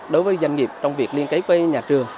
đối với doanh nghiệp trong việc liên kế với nhà trường